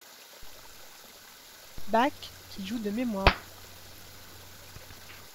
Bach qu'il joue de mémoire.